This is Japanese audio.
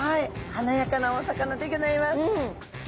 華やかなお魚でギョざいます。